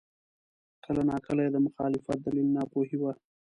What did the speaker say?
کله ناکله یې د مخالفت دلیل ناپوهي وه.